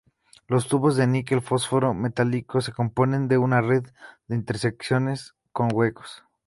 Los tubos de níquel-fósforo metálico se componen de una red de interconexiones con huecos.